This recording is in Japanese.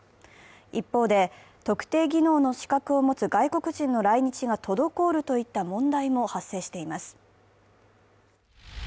一方で、特定技能の資格を持つ外国人の来日が滞るといった問題も発生しています。